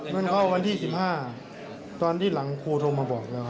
เงินเข้าวันที่๑๕ตอนที่หลังครูโทรมาบอกแล้ว